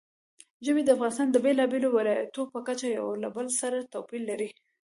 ژبې د افغانستان د بېلابېلو ولایاتو په کچه یو له بل سره توپیر لري.